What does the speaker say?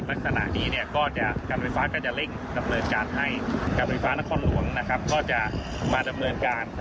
ลักษณะนี้การไฟฟ้าก็จะเร่งดำเนินการให้การไฟฟ้านครหลวงก็จะมาดำเนินการ